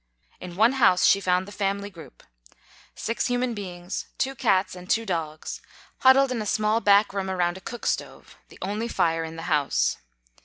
In one house she found the family group six human beings, two cats, and two dogs huddled in a small back room around a cook stove, the only fire in the house.